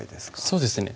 そうですね